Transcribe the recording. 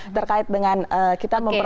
terkait dengan kita memperoleh